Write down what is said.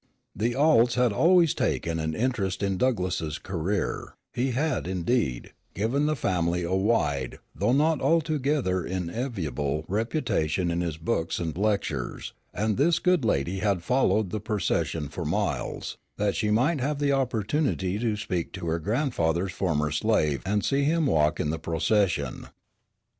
The Aulds had always taken an interest in Douglass's career, he had, indeed, given the family a wide though not altogether enviable reputation in his books and lectures, and this good lady had followed the procession for miles, that she might have the opportunity to speak to her grandfather's former slave and see him walk in the procession.